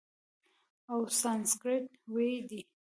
او سانسکریت ویی دی،